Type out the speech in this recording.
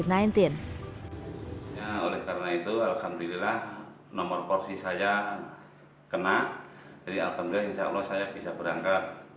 nah oleh karena itu alhamdulillah nomor porsi saya kena jadi alhamdulillah insya allah saya bisa berangkat